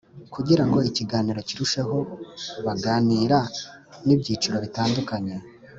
Kugirango ikiganiro kirusheho baganira n’ibyiciro bitandukanye